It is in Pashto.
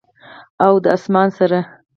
او د اسمان سره،